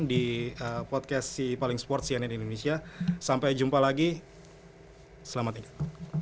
di podcast si paling sport cnn indonesia sampai jumpa lagi selamat tinggal